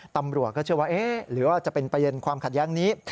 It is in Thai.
ตำรวจก็เชื่อว่าเอ๊ะหรือว่าจะเป็นประเด็นความขัดแย้งนี้